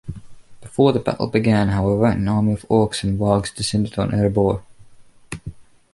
Before the battle began, however, an army of orcs and wargs descended on Erebor.